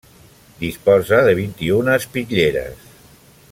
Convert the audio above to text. Disposa de vint-i-una espitlleres.